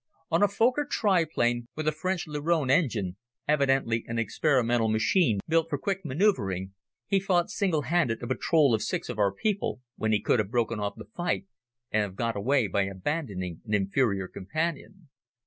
On a Fokker triplane with a French le Rhone engine evidently an experimental machine built for quick manoeuvring he fought single handed a patrol of six of our people, when he could have broken off the fight and have got away by abandoning an inferior companion.